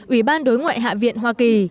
ủy ban đối ngoại hạ viện hoa kỳ